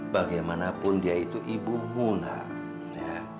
bagaimanapun dia itu ibumu nak